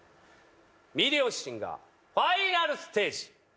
『ミリオンシンガー』ファイナルステージ。